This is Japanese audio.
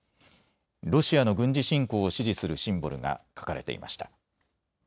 ロシアの軍事侵攻を支持するシンボルが書かれていました。